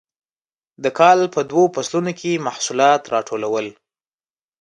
د کال په دوو فصلونو کې محصولات راټولول.